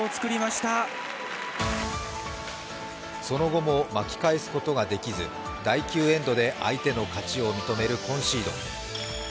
その後も巻き返すことができず、第９エンドで相手の勝ちを認めるコンシード。